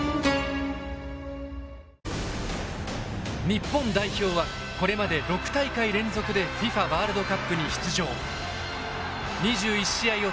日本代表はこれまで６大会連続でＦＩＦＡワールドカップに出場。